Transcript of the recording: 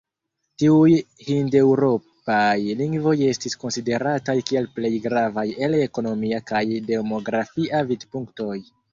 Tiuj hindeŭropaj lingvoj estis konsiderataj kiel plej gravaj el ekonomia kaj demografia vidpunktoj.